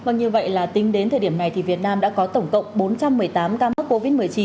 vâng như vậy là tính đến thời điểm này thì việt nam đã có tổng cộng bốn trăm một mươi tám ca mắc covid một mươi chín